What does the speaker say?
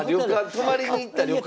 泊まりに行った旅館で。